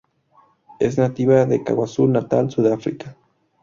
Es nativa de KwaZulu-Natal, Sudáfrica.